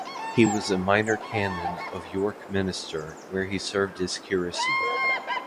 He was a Minor Canon of York Minister, where he served his curacy.